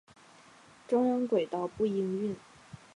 中央轨道不营运。